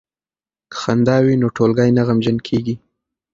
که خندا وي نو ټولګی نه غمجن کیږي.